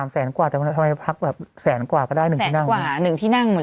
แสนกว่าแต่ทำไมพักแบบแสนกว่าก็ได้๑ที่นั่งกว่า๑ที่นั่งเหมือน